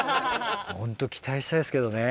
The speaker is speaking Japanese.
ホント期待したいですけどね。